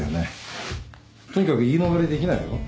とにかく言い逃れできないよ。